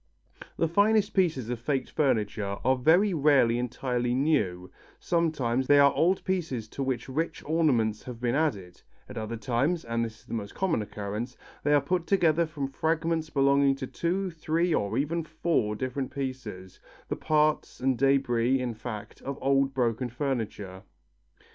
The finest pieces of faked furniture are very rarely entirely new, sometimes they are old pieces to which rich ornaments have been added; at other times, and this is the most common occurrence, they are put together from fragments belonging to two, three, or even four different pieces, the parts and debris, in fact, of old broken furniture.